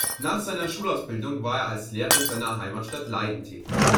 Nach seiner Schulausbildung war er als Lehrer in seiner Heimatstadt Leiden tätig.